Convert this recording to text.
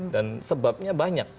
dan sebabnya banyak